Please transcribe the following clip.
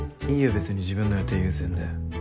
べつに自分の予定優先で。